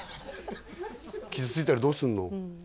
傷ついたらどうすんの？